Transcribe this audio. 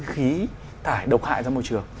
khí thải độc hại ra môi trường